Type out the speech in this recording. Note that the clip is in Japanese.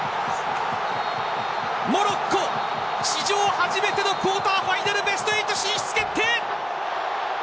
モロッコ史上初めてのクォーターファイナルベスト８進出決定。